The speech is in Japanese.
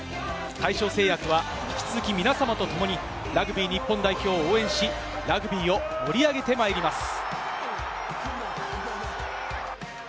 大正製薬は引き続き、皆様と共にラグビー日本代表を応援し、ラグビーを盛り上げてまいります。